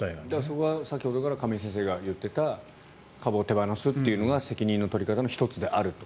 そこは先ほどから亀井先生が言っていた株を手放すということが責任の取り方の１つという。